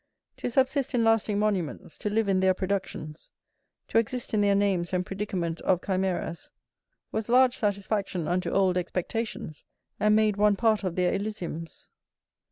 To subsist in lasting monuments, to live in their productions, to exist in their names and predicament of chimeras, was large satisfaction unto old expectations, and made one part of their Elysiums.